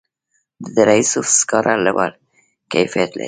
د دره صوف سکاره لوړ کیفیت لري